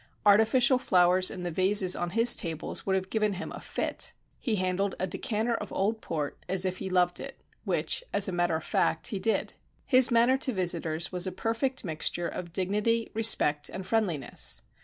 Artificial flowers in the vases on his tables would have given him a fit. He handled a decanter of old port as if he loved it which, as a matter of fact, he did. His manner to visitors was a perfect mixture of dignity, respect and friendliness.